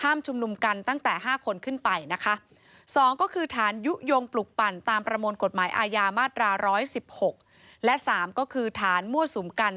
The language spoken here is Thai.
ห้ามชุมนุมกันตั้งแต่๕คนขึ้นไป